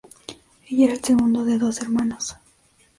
Ella era el segundo de doce hermanos.